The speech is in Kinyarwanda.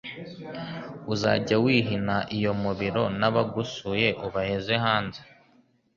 Uzajya wihina iyo mu biro n'abagusuye ubaheze hanze